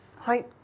はい。